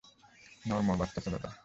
Norm, বাচ্চা ছেলেটা!